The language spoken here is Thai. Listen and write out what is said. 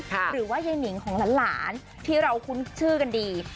หรือว่ายายนิงของหลานที่เราคุ้นชื่อกันดี